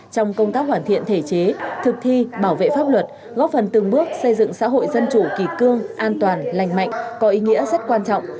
trong công tác hoàn thiện thể chế thực thi bảo vệ pháp luật góp phần từng bước xây dựng xã hội dân chủ kỳ cương an toàn lành mạnh có ý nghĩa rất quan trọng